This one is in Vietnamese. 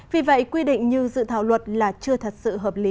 vì vậy quy định như dự thảo luật là chưa thật sự hợp lý